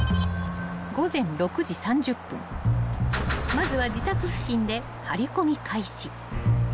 ［まずは自宅付近で張り込み開始］